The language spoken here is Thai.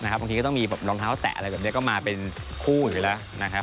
บางทีก็ต้องมีรองเท้าแตะอะไรแบบนี้ก็มาเป็นคู่อยู่แล้วนะครับ